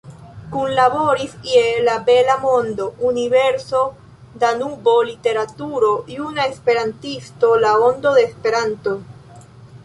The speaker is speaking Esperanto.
Kunlaboris je "La Bela Mondo, Universo, Danubo, Literaturo, Juna Esperantisto, La Ondo de Esperanto.